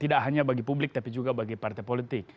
tidak hanya bagi publik tapi juga bagi partai politik